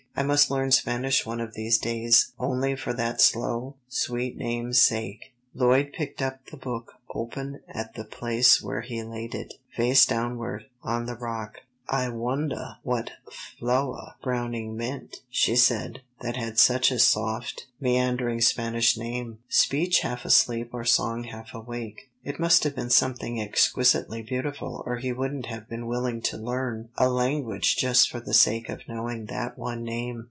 I must learn Spanish one of these days Only for that slow, sweet name's sake.'" Lloyd picked up the book open at the place where he laid it, face downward, on the rock. "I wondah what flowah Browning meant," she said, "that had such a 'soft, meandering Spanish name. Speech half asleep or song half awake ' It must have been something exquisitely beautiful or he wouldn't have been willing to learn a language just for the sake of knowing that one name."